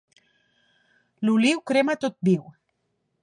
L'oliu crema tot viu.